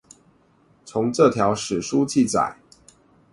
從這這條史書記載